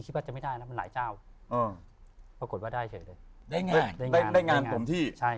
รับถมที่รับแบบนี้หรอ